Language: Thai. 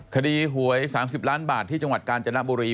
คดีหวย๓๐ล้านบาทที่จังหวัดกาญจนบุรี